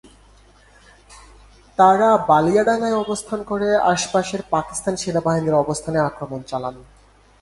তারা বালিয়াডাঙ্গায় অবস্থান করে আশপাশের পাকিস্তান সেনাবাহিনীর অবস্থানে আক্রমণ চালান।